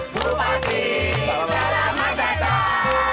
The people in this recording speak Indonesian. bupati selamat datang